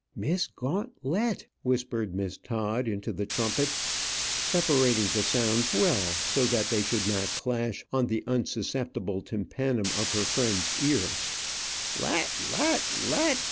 "Miss Gaunt let," whispered Miss Todd into the trumpet, separating the sounds well, so that they should not clash on the unsusceptible tympanum of her friend's ear. "Let, let, let!